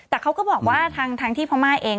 แต่เขาก็บอกว่าทางที่พม่าเอง